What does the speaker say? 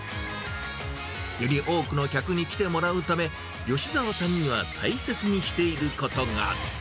より多くの客に来てもらうため、吉澤さんには大切にしていることが。